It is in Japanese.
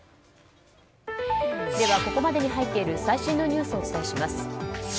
ここまでに入っている最新のニュースをお伝えします。